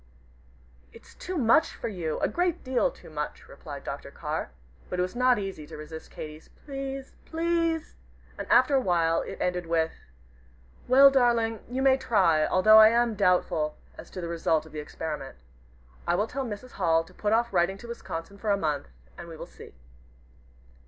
"It's too much for you, a great deal too much," replied Dr. Carr. But it was not easy to resist Katy's "Please! Please!" and after a while it ended with "Well, darling, you may try, though I am doubtful as to the result of the experiment. I will tell Mrs. Hall to put off writing to Wisconsin for a month, and we will see.